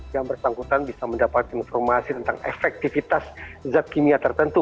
yang bersangkutan bisa mendapatkan informasi tentang efektivitas zat kimia tertentu